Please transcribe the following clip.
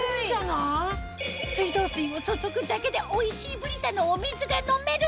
水道水を注ぐだけでおいしいＢＲＩＴＡのお水が飲める！